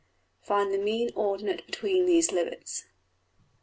Find the mean ordinate between these limits.